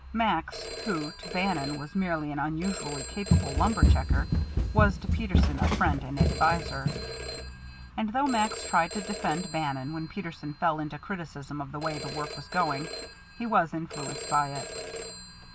Max, who to Bannon was merely an unusually capable lumber checker, was to Peterson a friend and adviser. And though Max tried to defend Bannon when Peterson fell into criticism of the way the work was going, he was influenced by it.